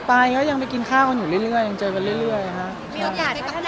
ไปก็ยังไปกินข้าวกันอยู่เรื่อยยังเจอกันเรื่อยค่ะ